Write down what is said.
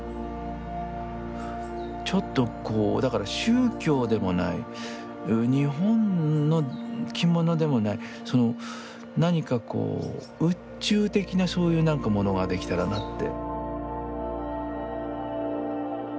ちょっとこうだから宗教でもない日本の着物でもない何かこう宇宙的なそういうなんかものが出来たらなって。